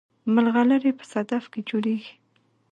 ملغلرې په صدف کې جوړیږي